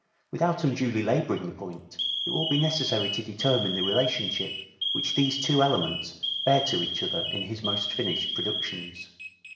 Without unduly labouring the point it will be necessary to determine the relationship which these two elements bear to each other in his most finished productions.